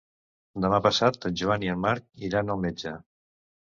Demà passat en Joan i en Marc iran al metge.